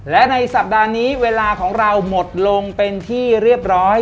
และในสัปดาห์นี้เวลาของเราหมดลงเป็นที่เรียบร้อย